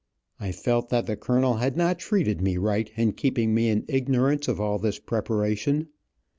I felt that the colonel had not treated me right in keeping me in ignorance of all this preparation.